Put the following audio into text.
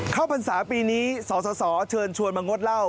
เข้าปรรรษาปีนี้สสสเชิญชวนมางดเล่า